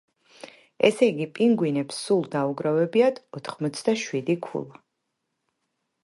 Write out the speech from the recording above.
ესე იგი, პინგვინებს სულ დაუგროვებიათ ოთხმოცდაშვიდი ქულა.